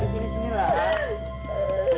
sini sini lah